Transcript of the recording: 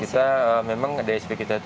bisa memang dsp kita itu